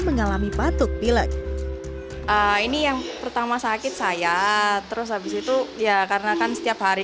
mengalami batuk pilek ini yang pertama sakit saya terus habis itu ya karena kan setiap hari